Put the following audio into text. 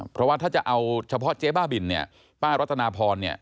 เพราะว่าถ้าจะเอาเฉพาะเจ๊บ้าบินเนี่ยป้ารัตนาพรเนี่ย